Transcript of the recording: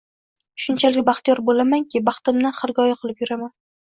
Shunchalik baxtiyor bo`lamanki, baxtimdan xirgoyi qilib yuraman